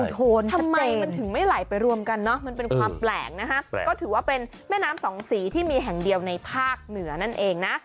ทำไมมันถึงไม่ไหลไปรวมกันเนอะมันเป็นความแปลกนะฮะก็ถือว่าเป็นแม่น้ำสองสีที่มีแห่งเดียวในภาคเหนือนั่นเองนะ